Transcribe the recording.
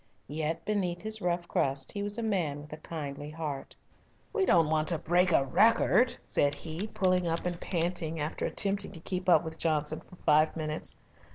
Yet beneath his rough crust he was a man with a kindly heart. "We don't want to break a record," said he, pulling up and panting after attempting to keep up with Johnson for five minutes.